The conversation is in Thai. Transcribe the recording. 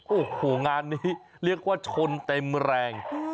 โอ้โหงานนี้เรียกว่าชนเต็มแรง